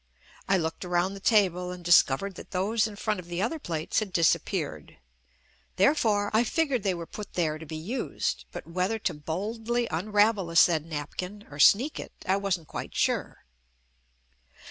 I looked around the table and discovered that those in front of the other plates had disap peared, therefore, I figured they were put there to be used but whether to boldly unravel the said napkin or sneak it, I wasn't quite sure.